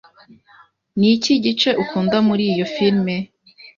Niki gice ukunda muri iyo firime?